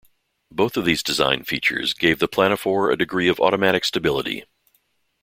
Both of these design features gave the planophore a degree of automatic stability.